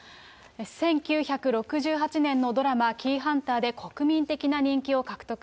１９６８年のドラマ、キイハンターで国民的な人気を獲得。